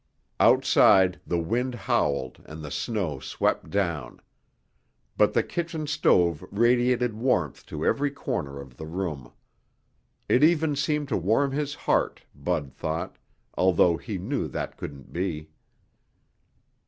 Outside the wind howled and the snow swept down. But the kitchen stove radiated warmth to every corner of the room. It even seemed to warm his heart, Bud thought, although he knew that couldn't be.